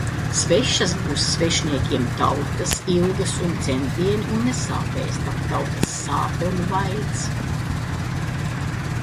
Svešas būs svešniekiem tautas ilgas un centieni un nesāpēs tam tautas sāpe un vaids.